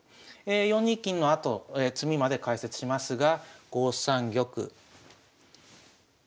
４二金のあと詰みまで解説しますが５三玉３二金と。